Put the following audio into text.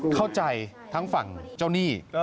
เข้าใจทั้งฝั่งเจ้าหนี้